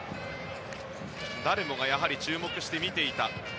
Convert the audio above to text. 誰もが注目して見ていた。